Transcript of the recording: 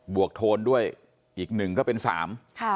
วกโทนด้วยอีกหนึ่งก็เป็นสามค่ะ